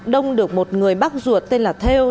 đông được một người bác ruột tên là theo